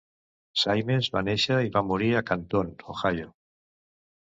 Saimes va néixer i va morir a Canton, Ohio.